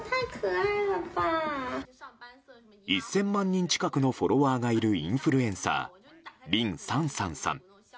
１０００万人近くのフォロワーがいるインフルエンサーリン・サンサンさん。